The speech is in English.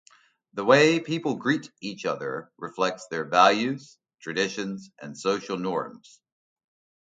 The way people greet each other reflects their values, traditions, and social norms.